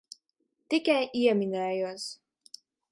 Tikai ieminējos.